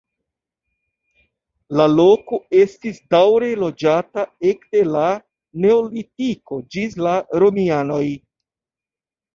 La loko estis daŭre loĝata ekde la neolitiko ĝis la romianoj.